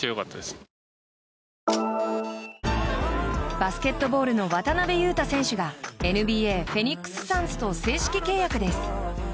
バスケットボールの渡邊雄太選手がＮＢＡ、フェニックス・サンズと正式契約です。